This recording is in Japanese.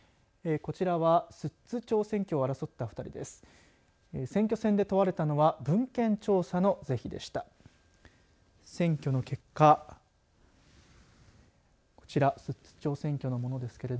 こちらは寿都町選挙を争った２人です。